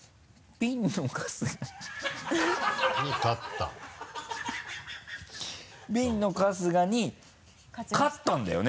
ビンの春日に勝ったんだよね？